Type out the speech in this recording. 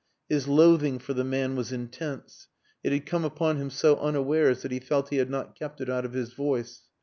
His loathing for the man was intense. It had come upon him so unawares that he felt he had not kept it out of his voice.